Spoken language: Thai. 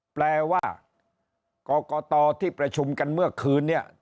แปลว่ากรกตที่ประชุมกันเมื่อคืนเนี่ย